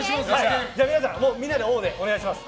じゃあ皆さん、みんなでオー！でお願いします。